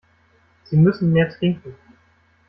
Sie müssen mehr trinken.